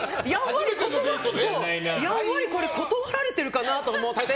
やんわり、これ断られてるかなと思って。